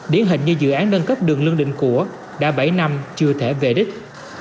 điển hình như dự án nâng cấp đường lương định của đã bảy năm chưa thể về đích